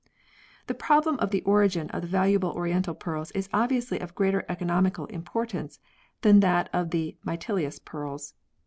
The problem of the origin of the valuable oriental pearls is obviously of greater economical importance than that of the Mytilus pearls.